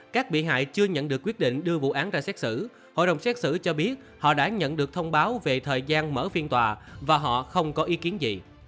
các bị hại chưa nhận được quyết định đưa vụ án ra xét xử hội đồng xét xử cho biết họ đã nhận được thông báo về thời gian mở phiên tòa và họ không có ý kiến gì